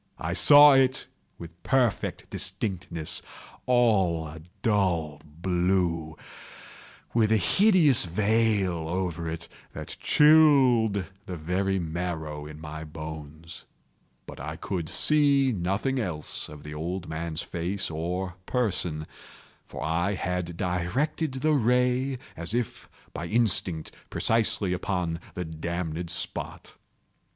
I saw it with perfect distinctness—all a dull blue, with a hideous veil over it that chilled the very marrow in my bones; but I could see nothing else of the old man's face or person: for I had directed the ray as if by instinct, precisely upon the damned spot.